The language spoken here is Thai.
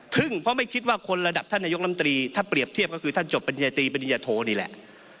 เพราะไม่คิดว่าคนระดับท่านนายกลำตรีถ้าเปรียบเทียบก็คือท่านจบปริญญาตรีปริญญาโทนี่แหละ